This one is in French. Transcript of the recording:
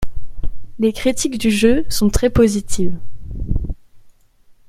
Les critiques du jeu sont très positives.